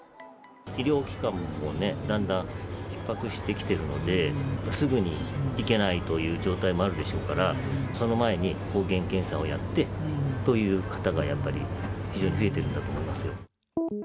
医療機関もだんだんひっ迫してきているので、すぐに行けないという状態もあるでしょうから、その前に抗原検査をやって、という方がやっぱり非常に増えているんだと思いますよ。